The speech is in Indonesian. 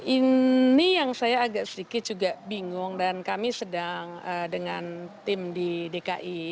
ini yang saya agak sedikit juga bingung dan kami sedang dengan tim di dki